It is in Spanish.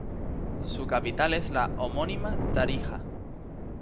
Su capital es la homónima Tarija.